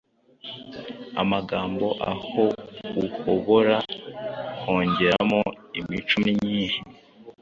amagambo aho uhobora kongeramo imico myinhi